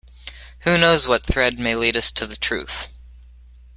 Who knows what thread may lead us to the truth?